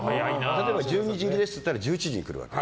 １２時入りですっていったら１１時に来るわけ。